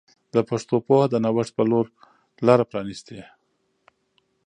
د پښتو پوهه د نوښت په لور لاره پرانیسي.